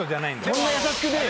そんな優しくねえ。